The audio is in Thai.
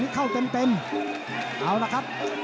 ตามต่อยกที่๓ครับ